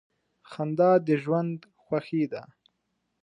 • خندا د ژوند خوښي ده.